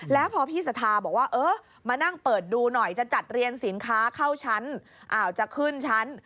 แล้วพอพี่สัทธาบอกว่าเออมานั่งเปิดดูหน่อยจะจัดเรียนสินค้าเข้าชั้นจะขึ้นชั้น